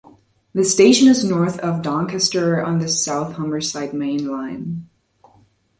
The station is north of Doncaster on the South Humberside Main Line.